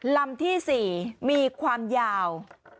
ลำที่๔มีความยาว